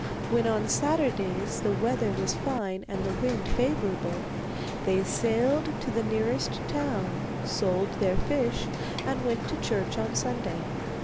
When on Saturdays the weather was fine and the wind favourable, they sailed to the nearest town, sold their fish, and went to church on Sunday.